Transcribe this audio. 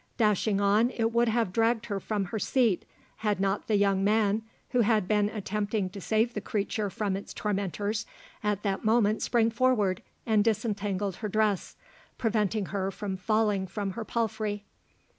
Dashing on, it would have dragged her from her seat, had not the young man who had been attempting to save the creature from its tormentors at that moment sprang forward and disentangled her dress, preventing her from falling from her palfrey.